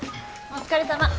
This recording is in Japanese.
お疲れさまです。